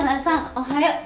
おはよう。